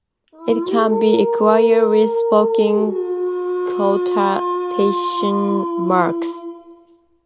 It can be equated with "spoken quotation marks".